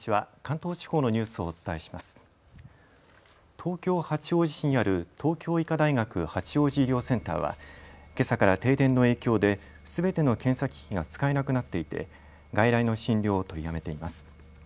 東京八王子市にある東京医科大学八王子医療センターはけさから停電の影響ですべての検査機器が使えなくなっていて外来の診療を取りやめています。